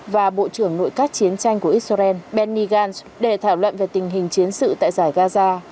và bộ trưởng nội các chiến tranh của israel benny gantz để thảo luận về tình hình chiến sự tại giải gaza